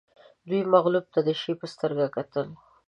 دوی مغلوب ته د شي په سترګه کتل